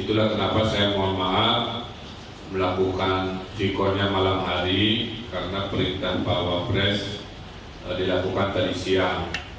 itulah kenapa saya mohon maaf melakukan tikornya malam hari karena perintah bapak presiden dilakukan tadi siang